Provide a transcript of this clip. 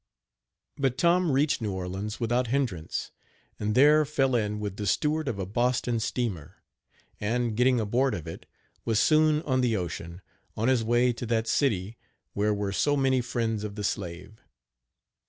But Tom reached New Orleans without hindrance, and there fell in with the steward of a Boston steamer, and, getting aboard of it, was soon on the ocean, on his way to that city where were so many friends of the slave.